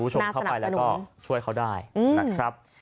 คุณผู้ชมเข้าไปแล้วก็ช่วยเขาได้นะครับ